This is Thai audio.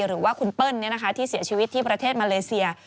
หรือว่าคุณเปิ้ลที่เสียชีวิตที่ประเทศมาเลเซีย